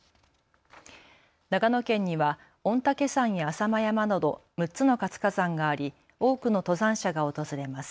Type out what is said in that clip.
長野県には御嶽山や浅間山など６つの活火山があり多くの登山者が訪れます。